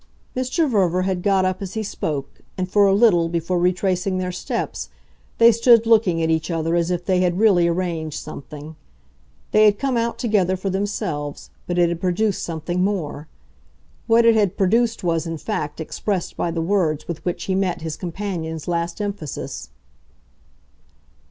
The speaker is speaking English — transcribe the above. Mr. Verver had got up as he spoke, and for a little, before retracing their steps, they stood looking at each other as if they had really arranged something. They had come out together for themselves, but it had produced something more. What it had produced was in fact expressed by the words with which he met his companion's last emphasis.